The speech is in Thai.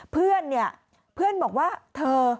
เพื่อนบอกว่าเธอ